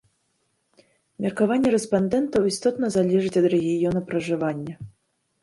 Меркаванне рэспандэнтаў істотна залежыць ад рэгіёна пражывання.